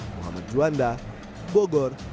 muhammad juanda bogor